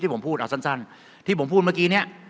ทีผมพูดเมื่อกี้นี่